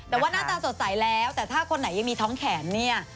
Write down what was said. แต่ว่าหน้าตาสดใสแล้วแต่ถ้าคนไหนยังมีท้องแขนเนี่ย